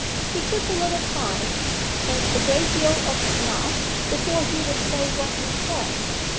He took a little time (and a great deal of snuff) before he would say what he thought.